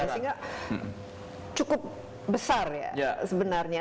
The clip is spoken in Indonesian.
sehingga cukup besar ya sebenarnya